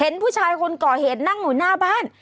ผู้ชายคนก่อเหตุนั่งอยู่หน้าบ้าน